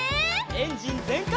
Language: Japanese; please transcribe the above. エンジンぜんかい！